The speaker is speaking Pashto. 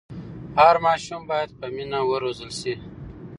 هر ماشوم باید په مینه وروزل سي.